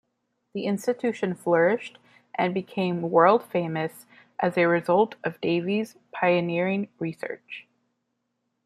The institution flourished and became world-famous as a result of Davy's pioneering research.